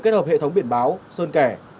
kết hợp hệ thống biển báo sơn kẻ